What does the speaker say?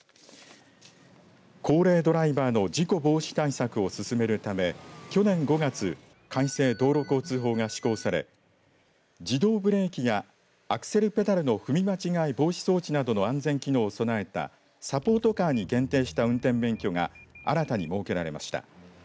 高齢ドライバーの事故防止対策を進めるため去年５月改正道路交通法が施行され自動ブレーキやアクセルペダルの踏み間違い防止装置などの安全機能を備えたサポートカーに限定した運転免許が新たに設けられました。